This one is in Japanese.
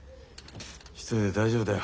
一人で大丈夫だよ。